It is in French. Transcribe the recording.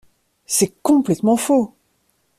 C’est complètement faux!